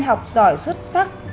học giỏi xuất sắc